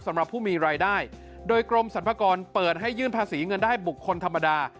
สำหรับผู้มีรายได้โดยกรมสรรพากรเปิดให้ยื่นภาษีเงินได้บุคคลธรรมดา